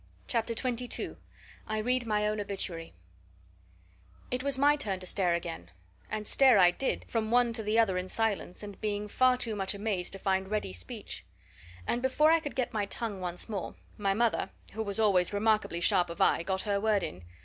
CHAPTER XXII I READ MY OWN OBITUARY It was my turn to stare again and stare I did, from one to the other in silence, and being far too much amazed to find ready speech. And before I could get my tongue once more, my mother, who was always remarkably sharp of eye, got her word in.